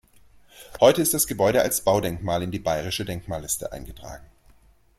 Heute ist das Gebäude als Baudenkmal in die Bayerische Denkmalliste eingetragen.